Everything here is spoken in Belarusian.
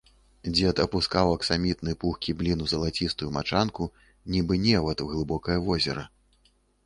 Дзед апускаў аксамітны, пухкі блін у залацістую мачанку, нібы невад у глыбокае возера.